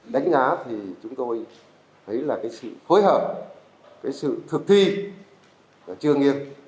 đánh giá thì chúng tôi thấy là cái sự phối hợp cái sự thực thi của trường nghiệp